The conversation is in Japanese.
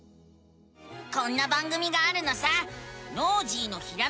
こんな番組があるのさ！